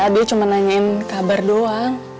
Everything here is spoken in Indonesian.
dia cuma nanyain kabar doang